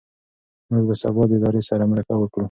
موږ به سبا د ادارې سره مرکه وکړو.